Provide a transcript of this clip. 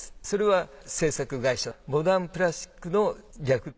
それは制作会社モダンプラスチックの略。